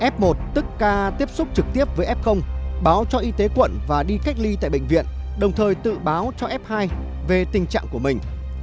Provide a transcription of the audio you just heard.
f một tức ca tiếp xúc trực tiếp với f báo cho y tế quận và đi cách ly tại bệnh viện đồng thời tự báo cho f hai về tình trạng của mình